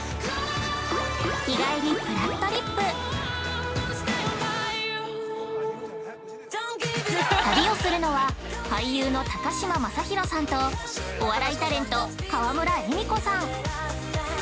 「日帰りぷらっとりっぷ」旅をするのは、俳優の高嶋政宏さんとお笑いタレント川村エミコさん。